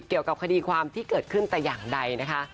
เกี่ยวกับคดีความที่เกิดขึ้นแต่อย่างใดนะคะ